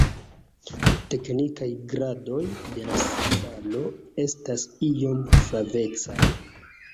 Teknikaj gradoj de la salo estas iom flavecaj.